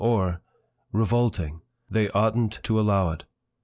or: Revolting! They oughtn't to allow it!